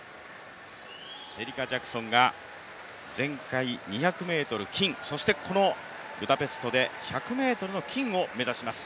シェリカ・ジャクソンが前回２００ｍ、金、そしてこのブダペストで１００ｍの金を目指します。